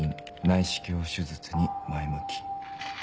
内視鏡手術に前向き」。